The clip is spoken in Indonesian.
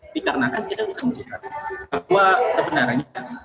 dikarenakan kita bisa melihat bahwa sebenarnya